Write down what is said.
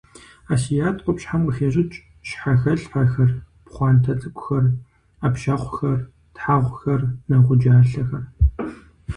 Асият къупщхьэм къыхещӏыкӏ: щхьэхэлъхьэхэр, пхъуантэ цӏыкӏухэр, ӏэпщэхъухэр, тхьэгъухэр, нэгъуджалъэхэр.